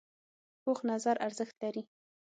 پوخ نظر ارزښت لري